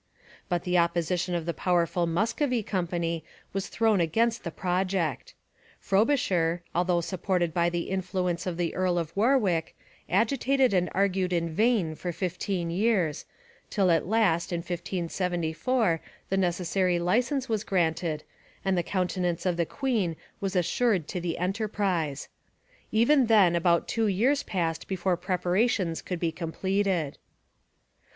But the opposition of the powerful Muscovy Company was thrown against the project. Frobisher, although supported by the influence of the Earl of Warwick, agitated and argued in vain for fifteen years, till at last in 1574 the necessary licence was granted and the countenance of the queen was assured to the enterprise. Even then about two years passed before the preparations could be completed.